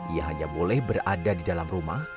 ia hanya boleh berada di dalam rumah